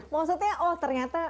maksudnya oh ternyata